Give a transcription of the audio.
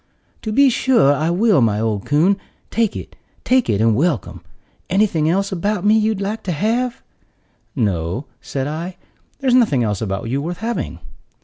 "To be sure I will, my old coon; take it, take it, and welcome. Anything else about me you'd like to have?" "No," said I, "there's nothing else about you worth having."